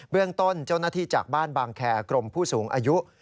เรื่องต้นเจ้าหน้าที่จากบ้านบางแคร์กรมผู้สูงอายุ